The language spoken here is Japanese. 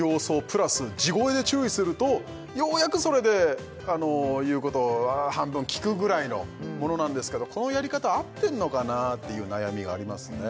プラス地声で注意するとようやくそれで言うことを半分聞くぐらいのものなんですけどこのやり方あってんのかなっていう悩みがありますね